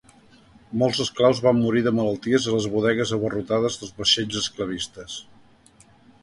Molts esclaus van morir de malalties a les bodegues abarrotades dels vaixells esclavistes.